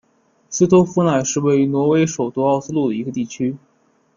斯托夫奈是位于挪威首都奥斯陆的一个地区。